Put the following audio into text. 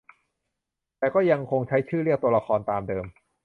แต่ก็ยังคงใช้ชื่อเรียกตัวละครตามเดิม